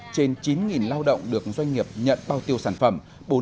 trên chín lao động được doanh nghiệp nhận bao tiêu sản phẩm